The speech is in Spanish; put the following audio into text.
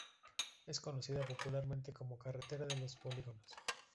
Es conocida popularmente como carretera de los polígonos.